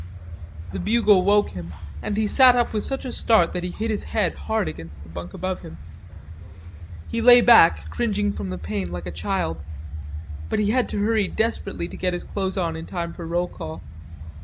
The bugle woke him, and he sat up with such a start that he hit his head hard against the bunk above him. He lay back cringing from the pain like a child. But he had to hurry desperately to get his clothes on in time for roll call.